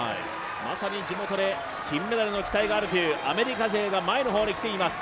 まさに地元で金メダルの期待があるというアメリカ勢が前の方へ来ています。